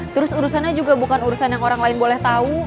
terus urusannya juga bukan urusan yang orang lain boleh tahu